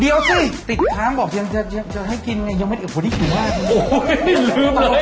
เดี๋ยวสิติดทางบอกจะให้กินยังไม่ได้เพราะว่านี่ขึ้นมาก